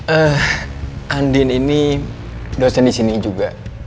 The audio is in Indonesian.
eh andin ini dosen disini juga